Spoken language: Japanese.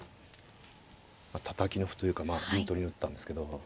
たたきの歩というかまあ銀取りに打ったんですけど。